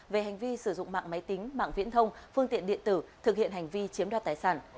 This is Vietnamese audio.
về hành vi sử dụng mạng máy tính mạng viễn thông phương tiện điện tử thực hiện hành vi chiếm đoạt tài sản